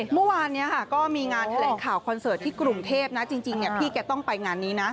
เมื่อวานนี้ก็มีงานแถลงข่าวคอนเสิร์ตที่กรุงเทพนะจริงพี่แกต้องไปงานนี้นะ